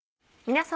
皆様。